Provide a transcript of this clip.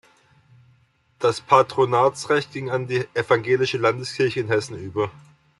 Das Patronatsrecht ging an die Evangelische Landeskirche in Hessen über.